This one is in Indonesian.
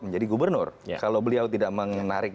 menjadi gubernur kalau beliau tidak menarik